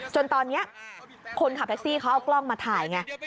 จนตอนนี้คนขับแท็กซี่เขาเอากล้องมาถ่ายไง